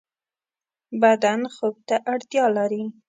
بدن خوب ته اړتیا لری